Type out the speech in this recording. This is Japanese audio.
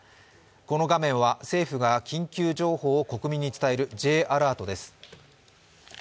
この画面は政府が緊急情報を国民に伝えるＪアラートです。